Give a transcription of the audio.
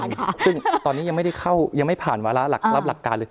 ซึ่งตอนนี้ยังไม่ได้เข้ายังไม่ผ่านวาระรับหลักการเลย